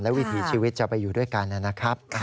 วิถีชีวิตจะไปอยู่ด้วยกันนะครับ